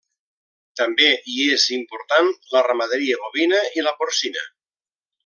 També hi és important la ramaderia bovina i la porcina.